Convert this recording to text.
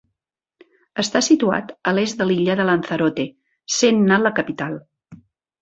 Està situat a l'est de l'illa de Lanzarote, sent-ne la capital.